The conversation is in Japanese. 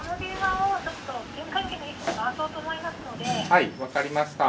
はい分かりました。